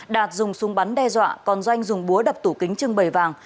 đạt dùng súng bắn đe dọa còn doanh dùng búa đập tủ kính trưng bày vàng